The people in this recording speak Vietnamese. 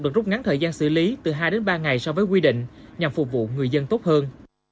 được rút ngắn thời gian xử lý từ hai đến ba ngày so với quy định nhằm phục vụ người dân tốt hơn